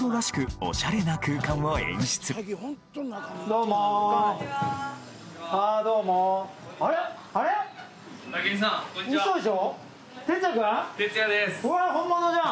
うわぁ本物じゃん！